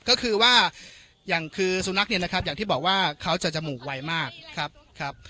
ก็คือว่าอย่างคือสุนัขเนี่ยนะครับอย่างที่บอกว่าเขาจะจมูกไวมากครับ